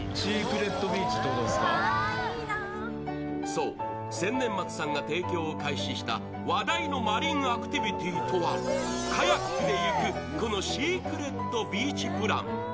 そう、千年松さんが提供を開始した話題のマリンアクティビティーとはカヤックで行く、このシークレットビーチプラン。